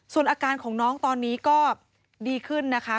ส่วนอาการของน้องตอนนี้ก็ดีขึ้นนะคะ